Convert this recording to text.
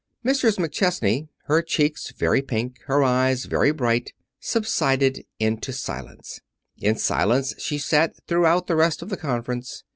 Mrs. McChesney, her cheeks very pink, her eyes very bright, subsided into silence. In silence she sat throughout the rest of the conference.